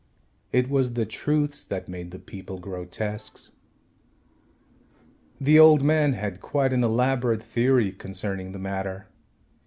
It was the truths that made the people grotesques. The old man had quite an elaborate theory concerning the matter.